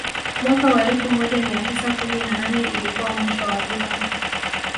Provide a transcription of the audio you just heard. Mwaka wa elfu moja mia tisa kumi na nane ilikuwa mwisho wa vita